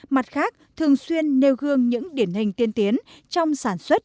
mặt khác thường xuyên nêu gương những điển hình tiên tiến trong sản xuất